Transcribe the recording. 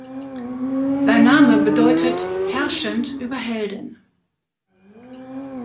Sein Name bedeutet „herrschend über Helden“.